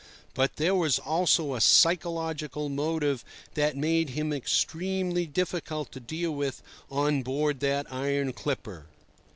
But there was also a psychological motive that made him extremely difficult to deal with on board that iron clipper.